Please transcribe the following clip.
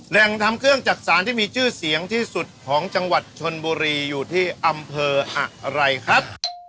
แหล่งทำเครื่องจักษานที่มีชื่อเสียงที่สุดของจังหวัดชนบุรีอยู่ที่อำเภออะไรครับ